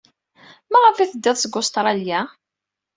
Maɣef ay teddid seg Ustṛalya?